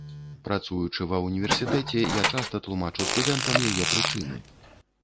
Працуючы ва ўніверсітэце, я часта тлумачу студэнтам яе прычыны.